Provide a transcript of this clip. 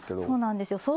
そうなんですよ。